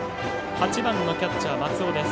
８番のキャッチャー、松尾です。